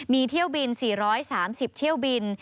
มีเที่ยวบิน๔๓๐เที่ยวบิน